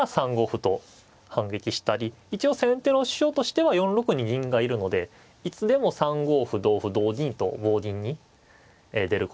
一応先手の主張としては４六に銀がいるのでいつでも３五歩同歩同銀と棒銀に出ることができると。